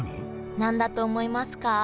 何だと思いますか？